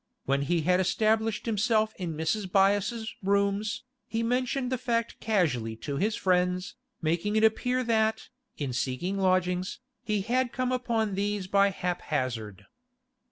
When he had established himself in Mrs. Byass's rooms, he mentioned the fact casually to his friends, making it appear that, in seeking lodgings, he had come upon these by haphazard.